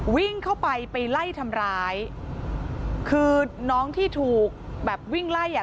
วิ่งเข้าไปไปไล่ทำร้ายคือน้องที่ถูกแบบวิ่งไล่อ่ะ